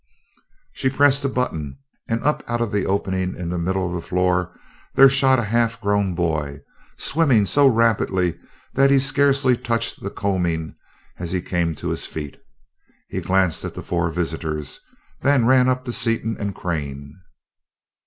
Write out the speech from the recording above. She pressed a button, and up out of the opening in the middle of the floor there shot a half grown boy, swimming so rapidly that he scarcely touched the coaming as he came to his feet. He glanced at the four visitors, then ran up to Seaton and Crane.